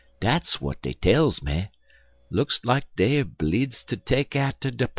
"Dat's w'at dey tells me. Look like dey er bleedzd ter take atter der pa."